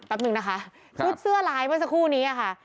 ปั๊บหนึ่งนะคะค่ะชุดเสื้อลายมาสักคู่นี้ค่ะ